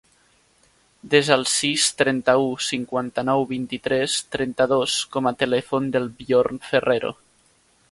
Desa el sis, trenta-u, cinquanta-nou, vint-i-tres, trenta-dos com a telèfon del Bjorn Ferrero.